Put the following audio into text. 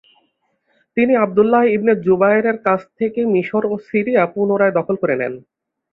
তিনি Abdullah ibn জুবায়েরের কাছ থেকে মিশর ও সিরিয়া পুনরায় দখল করে নেন।